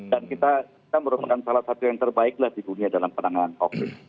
dan kita merupakan salah satu yang terbaiklah di dunia dalam penanganan covid